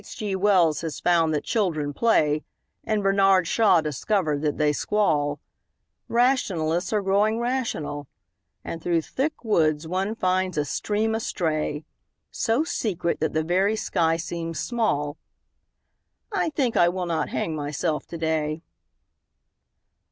G. Wells has found that children play, And Bernard Shaw discovered that they squall; Rationalists are growing rational And through thick woods one finds a stream astray, So secret that the very sky seems small I think I will not hang myself today.